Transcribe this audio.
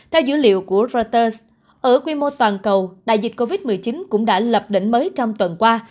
theo dữ liệu của reuters ở quy mô toàn cầu đại dịch covid một mươi chín cũng đã lập đỉnh mới trong tuần qua